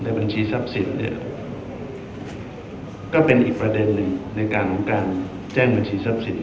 เออดูกก็เป็นอีกประเด็นหนึ่งในการพูดแจ้งบัญชีทรัพย์สิทธิ์